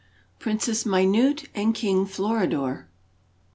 PRINCESS MINUTE AND KING FLORIDOR.